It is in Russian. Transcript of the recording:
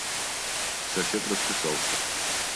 Сосед расписался.